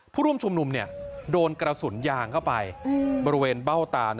ผู้ร่วมชุมนุมโดนกระสุนยางเข้าไปบริเวณเบ้าตา